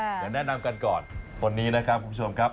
เดี๋ยวแนะนำกันก่อนคนนี้นะครับคุณผู้ชมครับ